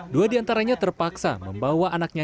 dua di antaranya terpaksa membawa anaknya